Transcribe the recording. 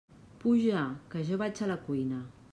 Puja, que jo vaig a la cuina.